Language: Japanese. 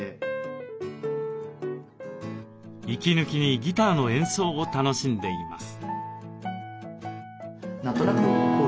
息抜きにギターの演奏を楽しんでいます。